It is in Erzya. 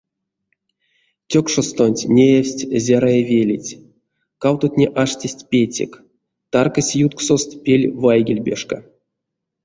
Тёкшостонть неявсть зярыя велеть, кавтотне аштесть пецек, таркась ютксост пель вайгельбешка.